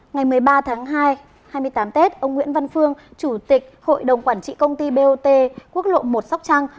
ngày một mươi ba tháng hai hai mươi tám tết ông nguyễn văn phương chủ tịch hội đồng quản trị công ty bot quốc lộ một sóc trăng